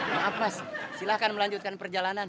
maaf mas silahkan melanjutkan perjalanan